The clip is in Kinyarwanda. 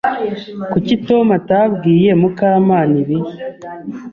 Kuki Tom atabwiye Mukamana ibi?